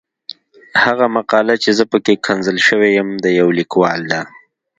هغه مقاله چې زه پکې ښکنځل شوی یم د يو ليکوال ده.